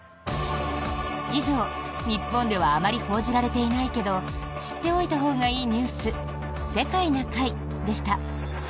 以上、日本ではあまり報じられていないけど知っておいたほうがいいニュース「世界な会」でした。